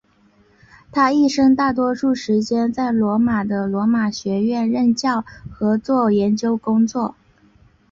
他一生大多数时间在罗马的罗马学院任教和做研究工作。